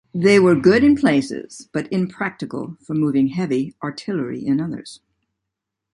They were good in places but impractical for moving heavy artillery in others.